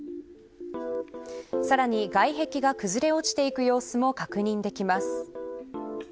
さらに、外壁が崩れ落ちていく様子も確認できます。